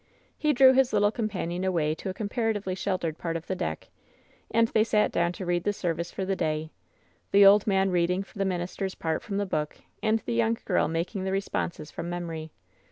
He drew his little companion away to a comparatively sheltered part of the deck, and they sat down to read the service for the day — the old man reading the minister's part from the book and the young irirl making the responses from memory.